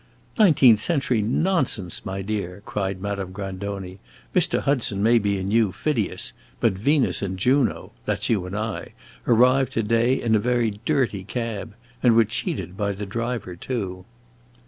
"Nineteenth century nonsense, my dear!" cried Madame Grandoni. "Mr. Hudson may be a new Phidias, but Venus and Juno that 's you and I arrived to day in a very dirty cab; and were cheated by the driver, too."